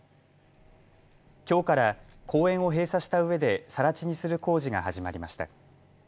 きょうから公園を閉鎖したうえでさら地にする工事が始まりました。